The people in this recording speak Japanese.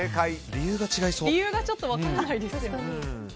理由がちょっと分からないです。